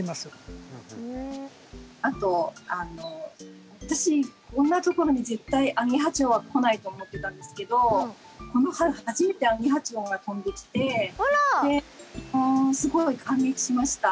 あと私こんなところに絶対アゲハチョウは来ないと思ってたんですけどこの春初めてアゲハチョウが飛んできてすごい感激しました。